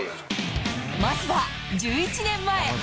まずは１１年前。